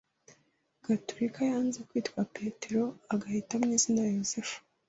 gatolika yanze kwitwa Petero agahitamo izina Yozefu